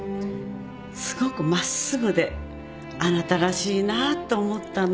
すごく真っすぐであなたらしいなと思ったの。